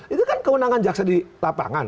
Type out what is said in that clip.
itu kan kewenangan jaksa di lapangan